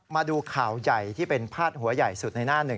มาดูข่าวใหญ่ที่เป็นพาดหัวใหญ่สุดในหน้าหนึ่ง